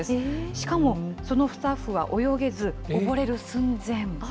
しかも、そのスタッフは泳げず、溺れる寸前。